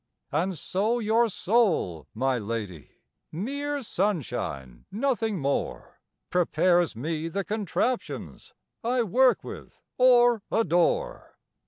And so your soul, my lady (Mere sunshine, nothing more) Prepares me the contraptions I work with or adore.